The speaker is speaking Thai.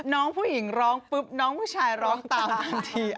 น้องผู้หญิงร้องปุ๊บน้องผู้ชายร้องตามทันที